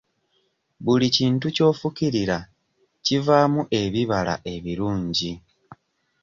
Buli kintu ky'ofukirira kivaamu ebibala ebirungi.